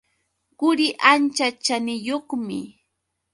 Quri ancha chaniyuqmi.